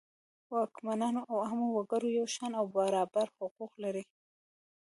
واکمنانو او عامو وګړو یو شان او برابر حقوق لرل.